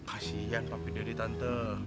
kasian papi deddy tante